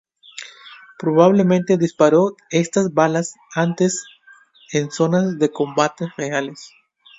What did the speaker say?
Probablemente disparó estas balas antes en zonas de combate reales.